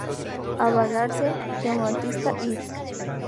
Avalle-Arce, Juan Bautista, ed.